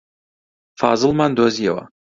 فازڵمان دۆزییەوە.